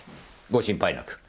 ご心配なく。